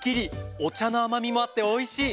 お茶のあまみもあっておいしい！